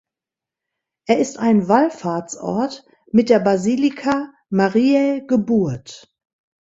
Er ist ein Wallfahrtsort mit der Basilika Mariä Geburt.